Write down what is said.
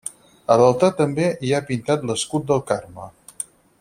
A l'altar també hi ha pintat l'escut del Carme.